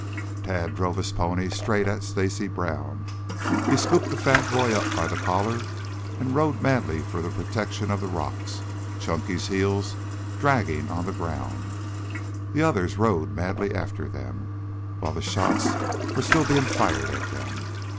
Tad drove his pony straight at Stacy Brown. He scooped the fat boy up by the collar and rode madly for the protection of the rocks, Chunky's heels dragging on the ground. The others rode madly after them, while the shots were still being fired at them.